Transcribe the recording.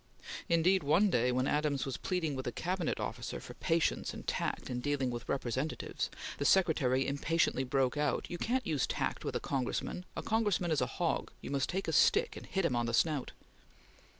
Indeed, one day when Adams was pleading with a Cabinet officer for patience and tact in dealing with Representatives, the Secretary impatiently broke out: "You can't use tact with a Congressman! A Congressman is a hog! You must take a stick and hit him on the snout!"